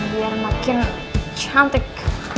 biar makin cantik